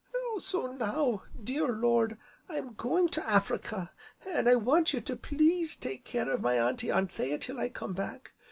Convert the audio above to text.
So now, dear Lord, I'm going to Africa, an' I want you to please take care of my Auntie Anthea till I come back.